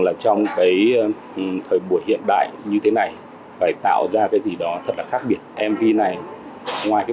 là trong cái thời buổi hiện đại như thế này phải tạo ra cái gì đó thật là khác biệt mv này ngoài cái